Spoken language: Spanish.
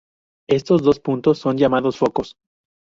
Estos dos puntos son llamados focos.